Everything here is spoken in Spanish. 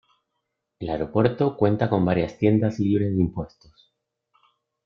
El aeropuerto cuenta con varias tiendas libres de impuestos.